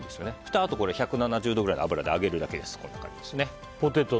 あとは１７０度くらいの油で揚げるだけです。